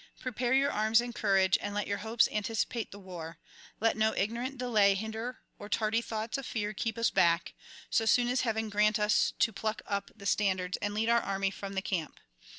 Prepare your arms in courage, and let your hopes anticipate the war; let no ignorant delay hinder or tardy thoughts of fear keep us back, so soon as heaven grant us to pluck up the standards and lead our army from the camp.